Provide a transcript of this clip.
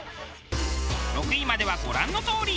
６位まではご覧のとおり。